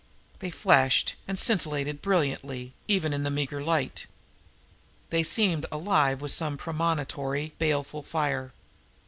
They flashed and scintillated brilliantly, even in the meager light. They seemed alive with some premonitory, baleful fire.